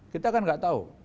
kita kan gak tahu